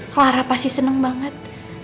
clara pasti seneng banget